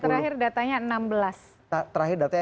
ada yang terakhir datanya enam belas